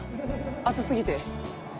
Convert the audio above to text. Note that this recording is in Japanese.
熱すぎて。